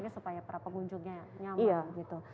supaya para pengunjungnya nyaman gitu